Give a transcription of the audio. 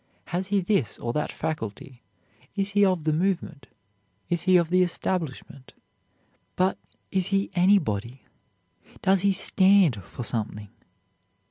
has he this or that faculty? is he of the movement? is he of the establishment? but is he anybody? does he stand for something?